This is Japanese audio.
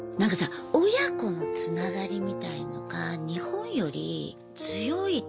親子のつながりみたいのが日本より強い気がして。